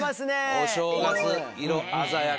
お正月色鮮やか。